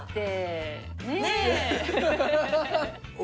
ねえ。